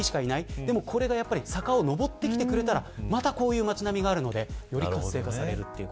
でもこれが坂を上ってきてくれたらまたこういう街並みがあるのでより活性化されるという。